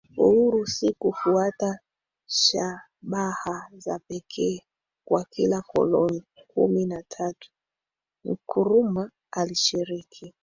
uhuru si kufuata shabaha za pekee kwa kila koloni Kumi na tatu Nkrumah alishiriki